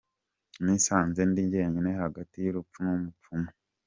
Nisanze ndi jyenyine hagati y’urupfu n’umupfumu.